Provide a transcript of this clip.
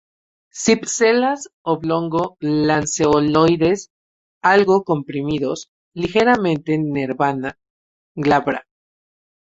Cipselas oblongo-lanceoloides, algo comprimidos, ligeramente nervada, glabra.